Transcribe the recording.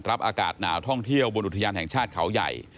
อากาศหนาวท่องเที่ยวบนอุทยานแห่งชาติเขาใหญ่